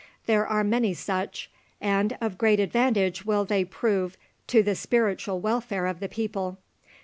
There are many such; and of great advantage will they prove to the spiritual welfare of the people.